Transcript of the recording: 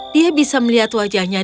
dia bisa melihat wajahnya